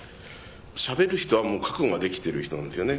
しゃべる人は覚悟ができてる人なんですよね。